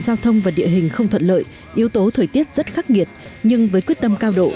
giao thông và địa hình không thuận lợi yếu tố thời tiết rất khắc nghiệt nhưng với quyết tâm cao độ